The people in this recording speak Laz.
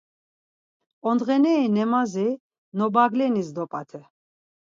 Ondğeneri nemazi Nobaglenis dop̌ate.